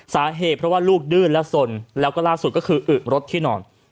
สาเหตุเพราะว่าลูกดื้นและสนแล้วก็ล่าสุดก็คืออึกรถที่นอน